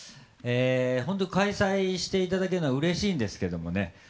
本当、開催していただけるのはうれしいんですけどね